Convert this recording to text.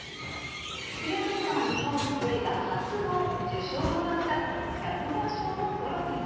イベントには日本映画初の受賞となった脚本賞のトロフィーも。